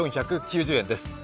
４９０円です。